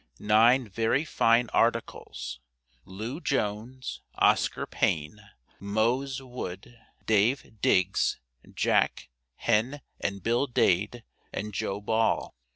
NINE VERY FINE "ARTICLES." LEW JONES, OSCAR PAYNE, MOSE WOOD, DAVE DIGGS, JACK, HEN, AND BILL DADE, AND JOE BALL.